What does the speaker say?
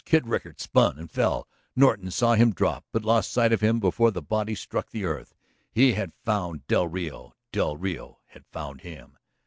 Kid Rickard spun and fell. Norton saw him drop but lost sight of him before the body struck the earth. He had found del Rio; del Rio had found him.